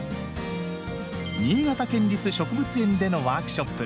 新潟県立植物園でのワークショップ。